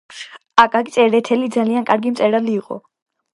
აკაკი წერეთელი ძალიან კარგი მწერალი იყო